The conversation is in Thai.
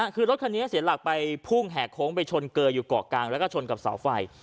คือรถคันนี้เสียหลักไปพุ่งแห่โค้งไปชนเกยออยู่เกาะกลางแล้วก็ชนกับเสาไฟ